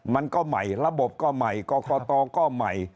มันก็ใหม่ระบบก็ใหม่กรกตก็ใหม่